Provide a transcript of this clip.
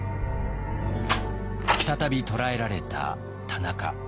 再び捕らえられた田中。